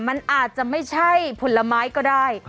มันอาจจะไม่ใช่ผลไม้ก็ได้